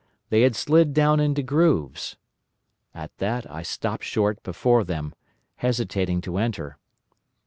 They had slid down into grooves. "At that I stopped short before them, hesitating to enter.